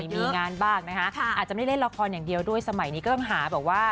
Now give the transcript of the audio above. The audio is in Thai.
มีงานบ้างนะคะอาจจะไม่เล่นละครอย่างเดียวด้วยสมัยนี้ก็ต้องหาแบบว่า